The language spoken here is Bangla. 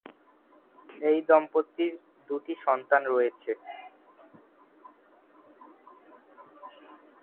এই দম্পতির দুটি সন্তান রয়েছে।